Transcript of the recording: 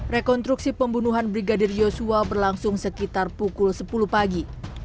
rekonstruksi pembunuhan brigadir yosua berlangsung sekitar pukul sepuluh pagi